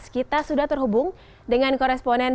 kita sudah terhubung dengan koresponen